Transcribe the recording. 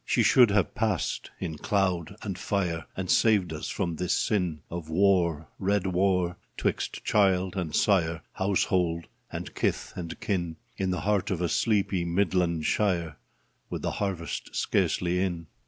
She should have passed in cloud and fire And saved us from this sin Of war — red Avar — 'twixt child and sire, Household and kith and kin, In the heart of a sleepy Midland shire, With the harvest scarcely in.